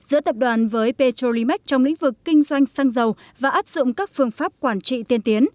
giữa tập đoàn với petrolimac trong lĩnh vực kinh doanh xăng dầu và áp dụng các phương pháp quản trị tiên tiến